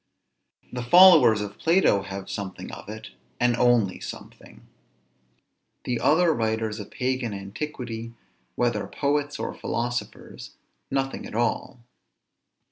The followers of Plato have something of it, and only something; the other writers of pagan antiquity, whether poets or philosophers, nothing at all.